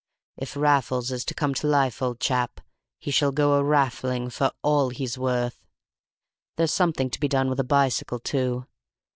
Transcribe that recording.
If Raffles is to come to life, old chap, he shall go a Raffling for all he's worth! There's something to be done with a bicycle, too.